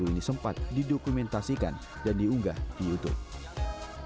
keberangkatan enam puluh lima guru ini sempat didokumentasikan dan diunggah di youtube